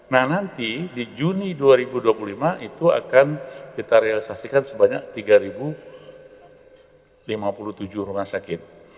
nah nanti di juni dua ribu dua puluh lima itu akan kita realisasikan sebanyak tiga lima puluh tujuh rumah sakit